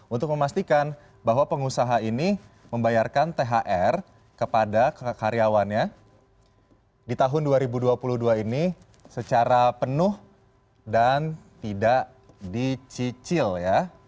untuk memastikan bahwa pengusaha ini membayarkan thr kepada karyawannya di tahun dua ribu dua puluh dua ini secara penuh dan tidak dicicil ya